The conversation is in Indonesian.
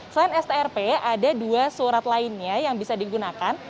selain strp ada dua surat lainnya yang bisa digunakan